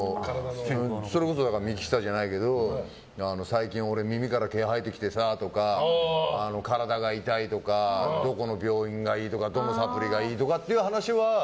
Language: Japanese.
それこそ幹久じゃないけど最近俺、耳から毛が生えてきたとかじゃないけど体が痛いとかどこの病院がいいとかどのサプリがいいとかっていう話は。